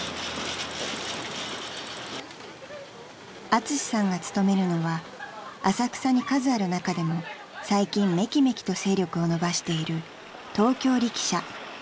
［アツシさんが勤めるのは浅草に数ある中でも最近めきめきと勢力を伸ばしている東京力車］